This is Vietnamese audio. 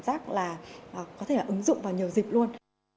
giác là ờ có thể là ứng dụng vào nhiều dịp luôn